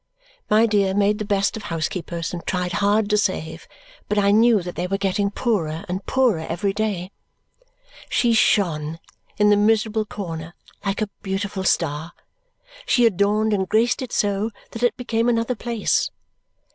My dear made the best of housekeepers and tried hard to save, but I knew that they were getting poorer and poorer every day. She shone in the miserable corner like a beautiful star. She adorned and graced it so that it became another place.